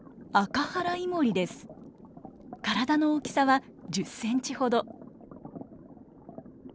体の大きさは１０センチほど。